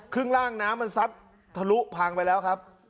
ข้างล่างน้ำมันซัดทะลุพังไปแล้วครับ